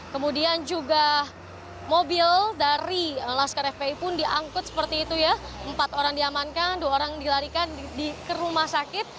kemudian juga mobil dari laskar fpi pun diangkut seperti itu ya empat orang diamankan dua orang dilarikan ke rumah sakit